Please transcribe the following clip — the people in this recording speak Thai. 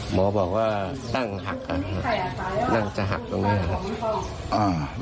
หมอบอกว่านั่งหักนั่งจะหักตรงนี้ครับ